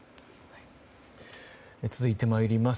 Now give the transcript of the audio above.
続いてまいります。